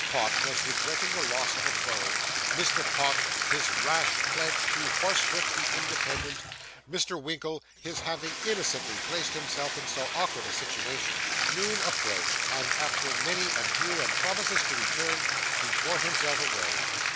Pott was regretting the loss of a beau; Mr. Pott his rash pledge to horsewhip the Independent; Mr. Winkle his having innocently placed himself in so awkward a situation. Noon approached, and after many adieux and promises to return, he tore himself away.